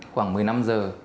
khoảng một mươi năm giờ